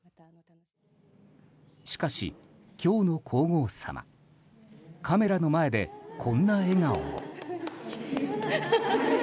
しかし、今日の皇后さまカメラの前でこんな笑顔も。